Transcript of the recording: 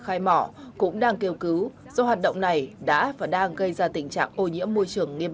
khai mỏ cũng đang kêu cứu do hoạt động này đã và đang gây ra tình trạng ô nhiễm môi trường nghiêm